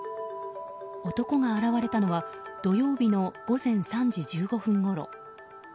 男が現れたのは土曜日の午前３時１５分ごろ。